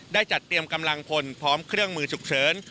จัดเตรียมกำลังพลพร้อมเครื่องมือฉุกเฉิน